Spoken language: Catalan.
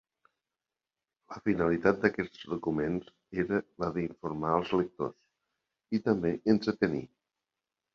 La finalitat d'aquests documents era la d'informar els lectors, i també entretenir.